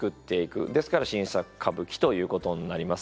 ですから新作歌舞伎ということになります。